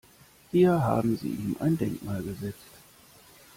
Hier haben Sie ihm ein Denkmal gesetzt.